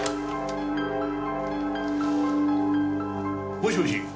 もしもし。